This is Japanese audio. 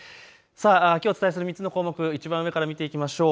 きょうお伝えする３つの項目、いちばん上から見ていきましょう。